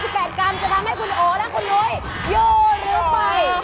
จะทำให้คุณโอ๋และคุณหนุ๊ยโยนลืมไป